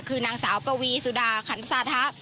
คือนางสาวปวีสุดาขันสาธะ